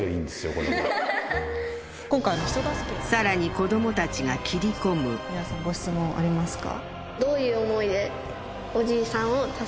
この絵さらに子どもたちが切り込む皆さんご質問ありますか？